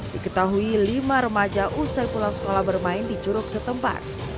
diketahui lima remaja usai pulang sekolah bermain di curug setempat